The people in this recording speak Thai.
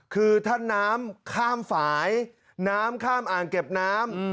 คือถ้าน้ำข้ามฝ่ายน้ำข้ามอ่างเก็บน้ำ